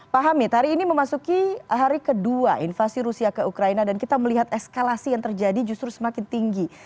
pak hamid hari ini memasuki hari kedua invasi rusia ke ukraina dan kita melihat eskalasi yang terjadi justru semakin tinggi